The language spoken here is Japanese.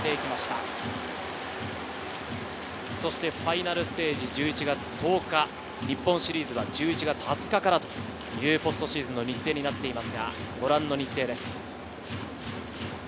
ファイナルステージ１１月１０日、日本シリーズは１１月２０日からというポストシーズンになっています。